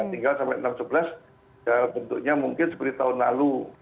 tinggal sampai enam sebelas bentuknya mungkin seperti tahun lalu